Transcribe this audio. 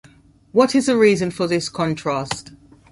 What is the reason for this contrast?